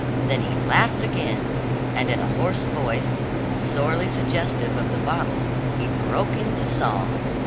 Then he laughed again, and in a hoarse voice, sorely suggestive of the bottle, he broke into song.